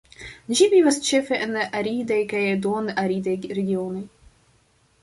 Ĝi vivas ĉefe en aridaj kaj duon-aridaj regionoj.